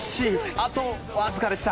あとわずかでした。